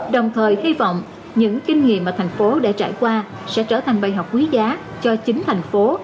đồng thời hy vọng những kinh nghiệm mà thành phố đã trải qua sẽ trở thành bài học quý giá cho chính thành phố